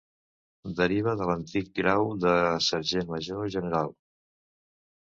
Deriva de l'antic grau de Sergent Major General.